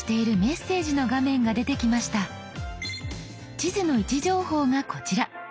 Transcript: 地図の位置情報がこちら。